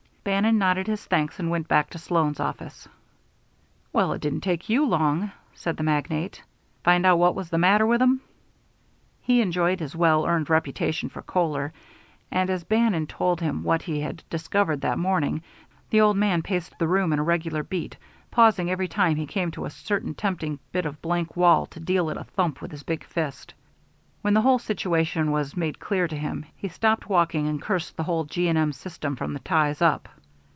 Bannon nodded his thanks and went back to Sloan's office. "Well, it didn't take you long," said the magnate. "Find out what was the matter with 'em?" He enjoyed his well earned reputation for choler, and as Bannon told him what he had discovered that morning, the old man paced the room in a regular beat, pausing every time he came to a certain tempting bit of blank wall to deal it a thump with his big fist. When the whole situation was made clear to him, he stopped walking and cursed the whole G. & M. system, from the ties up.